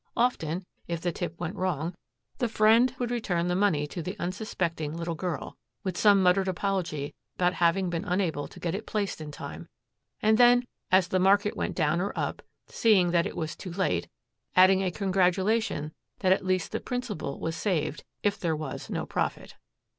Often, if the tip went wrong, the friend would return the money to the unsuspecting little girl, with some muttered apology about having been unable to get it placed in time, and then, as the market went down or up, seeing that it was too late, adding a congratulation that at least the principal was saved if there was no profit.